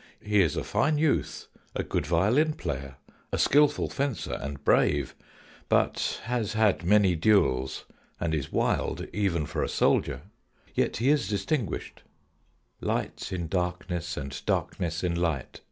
He is a fine youth, a good violin player, a skilful fencer, and brave, but has had many duels, and is wild even for a soldier. Yet he is distinguished light in darkness and darkness in light.